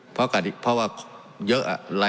เพราะเยอะ